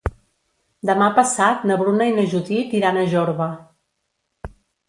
Demà passat na Bruna i na Judit iran a Jorba.